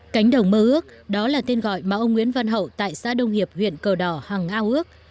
cánh đồng mơ ước đó là tên gọi mà ông nguyễn văn hậu tại xã đông hiệp huyện cờ đỏ hằng ao ước